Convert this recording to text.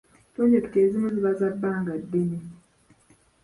Pulojekiti ezimu ziba za bbanga ddene.